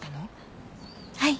はい。